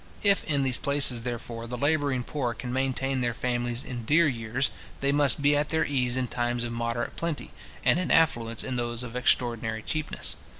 If, in these places, therefore, the labouring poor can maintain their families in dear years, they must be at their ease in times of moderate plenty, and in affluence in those of extraordinary cheapness.